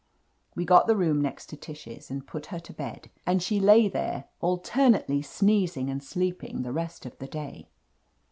We got the room next to Tish's and put her to bed, and she lay there alternately sneezing and sleeping the rest of the day.